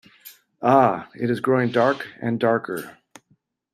Ah, it is growing dark and darker.